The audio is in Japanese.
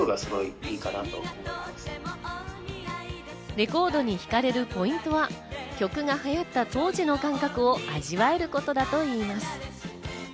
レコードに惹かれるポイントは、曲が流行った当時の感覚を味わえることだといいます。